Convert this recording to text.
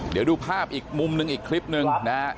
เดี๋ยวดูภาพอีกมุมหนึ่งอีกคลิปหนึ่งนะฮะ